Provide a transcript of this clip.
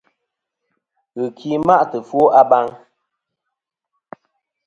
Ghɨki ma'tɨ ɨfwo a baŋ.